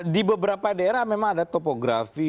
di beberapa daerah memang ada topografi